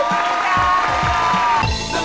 ขอบคุณครับ